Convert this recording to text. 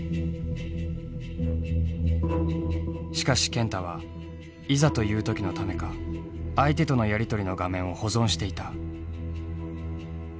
しかし健太はいざという時のためか相手とのやり取りの画面を保存していた。